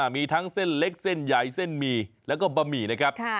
มีทั้งเส้นเล็กเส้นใหญ่เส้นหมี่แล้วก็บะหมี่นะครับ